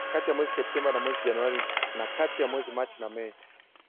kati ya mwezi Septemba na mwezi Januari na kati ya mwezi Machi na Mei